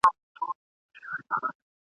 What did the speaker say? چي یاران ورباندي تللي له ضروره ..